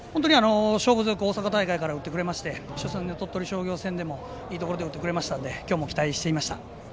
勝負強く大阪大会から打ってくれまして初戦の鳥取商業戦でもいいところで打ってくれたので今日も期待していました。